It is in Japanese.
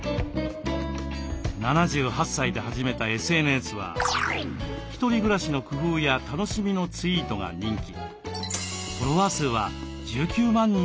７８歳で始めたＳＮＳは独り暮らしの工夫や楽しみのツイートが人気。